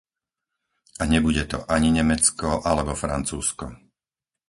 A nebude to ani Nemecko alebo Francúzsko.